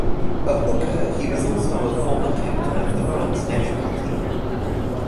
A hooker, he was also a former captain of the France national team.